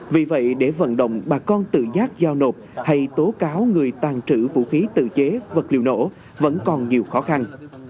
vì vậy để vận động bà con tự giác giao nộp hay tố cáo người tàn trữ vũ khí tự chế vật liều nổ vẫn còn nhiều khó khăn